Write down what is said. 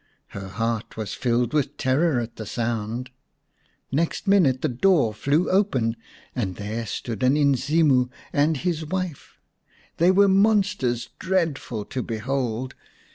Her heart was filled with terror at the sound. Next minute the door flew open and there stood an Inzimu and his wife. They were monsters dreadful to behold.